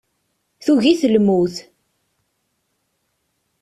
Tugi-t lmut.